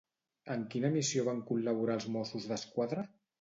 En quina missió van col·laborar els Mossos d'Esquadra?